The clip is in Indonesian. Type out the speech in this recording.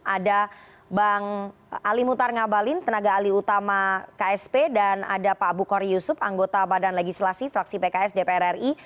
ada bang ali mutar ngabalin tenaga ali utama ksp dan ada pak bukhari yusuf anggota badan legislasi fraksi pks dpr ri